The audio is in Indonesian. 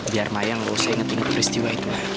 biar maya gak usah inget inget peristiwa itu lagi